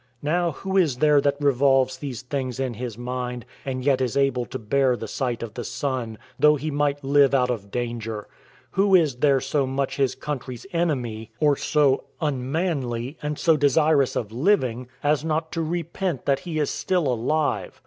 Now who is there that revolves these things in his mind, and yet is able to bear the sight of the sun, though he might live out of danger? Who is there so much his country's enemy, or so unmanly, and so desirous of living, as not to repent that he is still alive?